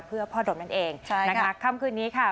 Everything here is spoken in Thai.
เพื่อพ่อดมนั่นเองใช่นะคะค่ำคืนนี้ค่ะ